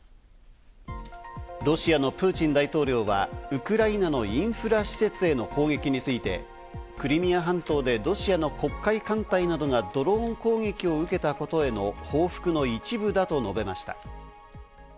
ロシアのプーチン大統領はウクライナのインフラ施設への攻撃について、クリミア半島でロシアの黒海艦隊などは、ドローン攻撃を受けたことへの報復の一部だと述べました。